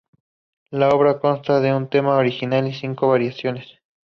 La obra consta de un tema original y cinco variaciones.